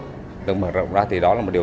tiến dụng được mở rộng ra thì đó là một điều